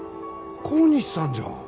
小西さんじゃん。